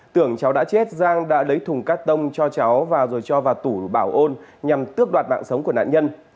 tưởng cháu đã chết giang đã lấy thùng cắt tông cho cháu và rồi cho vào tủ bảo ôn nhằm tước đoạt mạng sống của nạn nhân